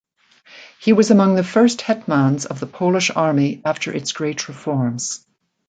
He was among the first Hetmans of the Polish Army after its great reforms.